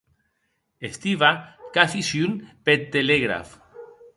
Stiva qu'a aficion peth telegraf.